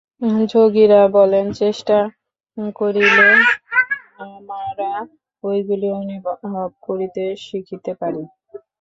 যোগীরা বলেন, চেষ্টা করিলে আমরা ঐগুলি অনুভব করিতে শিখিতে পারি।